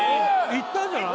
いったんじゃない？